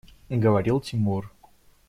Говорил Тимур.